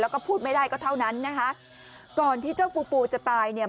แล้วก็พูดไม่ได้ก็เท่านั้นนะคะก่อนที่เจ้าฟูฟูจะตายเนี่ย